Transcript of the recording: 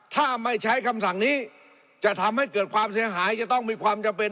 ถ้าไม่ใช้คำสั่งนี้จะทำให้เกิดความเสียหายจะต้องมีความจำเป็น